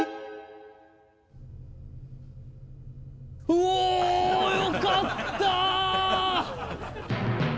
おお！よかった！